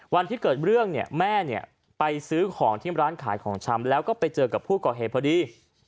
วันที่เกิดเรื่องเนี่ยแม่เนี่ยไปซื้อของที่ร้านขายของชำแล้วก็ไปเจอกับผู้ก่อเหตุพอดี